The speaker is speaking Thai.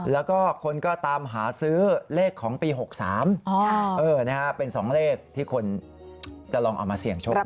แล้วก็คนก็ตามหาซื้อเลขของปี๖๓เป็น๒เลขที่คนจะลองเอามาเสี่ยงโชคด้วย